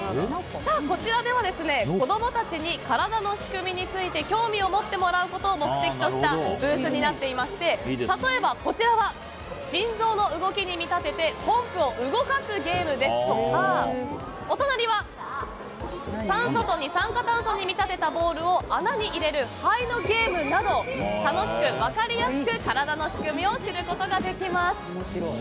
こちらは子供たちに体の仕組みについて興味を持ってもらうことを目的としたブースになっていまして例えばこちらは心臓の動きに見立ててポンプを動かすゲームですとかお隣は酸素と二酸化炭素に見立てたボールを穴に入れる肺のゲームなど楽しく分かりやすく体の仕組みを知ることができます。